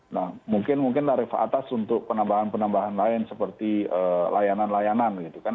nah mungkin mungkin tarif atas untuk penambahan penambahan lain seperti layanan layanan gitu kan